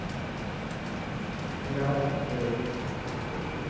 ڀيڙا پيو